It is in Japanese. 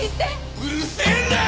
うるせえんだよ！